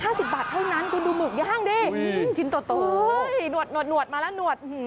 ห้าสิบบาทเท่านั้นคุณดูหมึกย่างดิอุ้ยชิ้นตัวอุ้ยหนวดมาแล้วหนวด